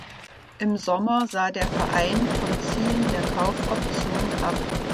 Im Sommer sah der Verein vom Ziehen der Kaufoption ab.